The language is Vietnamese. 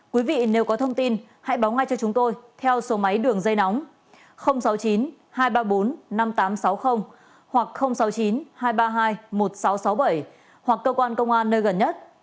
quý vị nếu có thông tin hãy báo ngay cho chúng tôi theo số máy đường dây nóng sáu mươi chín hai trăm ba mươi bốn năm nghìn tám trăm sáu mươi hoặc sáu mươi chín hai trăm ba mươi hai một nghìn sáu trăm sáu mươi bảy hoặc cơ quan công an nơi gần nhất